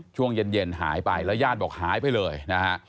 ช่วงเย็นหายไปแล้วญาติบอกหายไปเลยนะฮะ